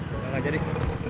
jalan aja deh